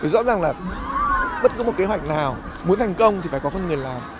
rõ ràng là bất cứ một kế hoạch nào muốn thành công thì phải có con người làm